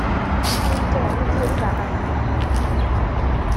اینجا، اینطوری بغل کن